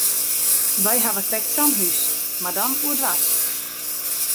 Wy hawwe krekt sa'n hús, mar dan oerdwers.